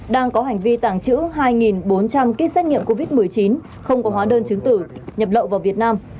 đang có hành vi tàng trữ hai bốn trăm linh kit xét nghiệm covid một mươi chín không có hóa đơn chứng tử nhập lậu vào việt nam